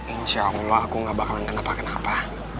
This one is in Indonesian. insya allah aku gak bakalan kenapa kenapa